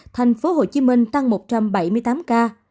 thành phố hồ chí minh tăng một trăm bảy mươi tám ca